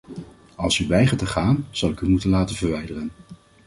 Als u weigert te gaan, zal ik u moeten laten verwijderen.